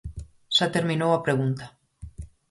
Xa terminou a pregunta.